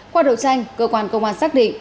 qua đầu tranh cơ quan công an xác định